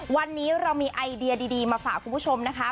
วันนี้เรามีไอเดียดีมาฝากคุณผู้ชมนะคะ